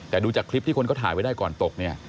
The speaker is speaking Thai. แต่ดูจากคลิปที่คนเขาถ่ายไว้ได้ก่อนตกเนี่ย